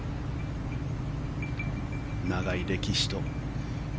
長い歴史と。